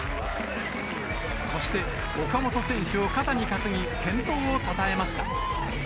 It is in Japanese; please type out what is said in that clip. そして岡本選手を肩に担ぎ、健闘をたたえました。